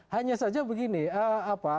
hanya saja begini apa